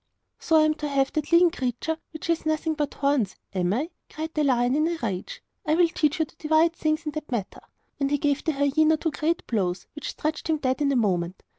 'So I am to have that lean creature, which is nothing but horns, am I?' cried the lion in a rage. 'I will teach you to divide things in that manner!' And he gave the hyena two great blows, which stretched him dead in a moment.